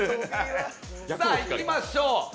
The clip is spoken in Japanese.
さあ、いきましょう。